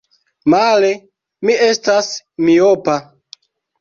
Male, mi estas miopa!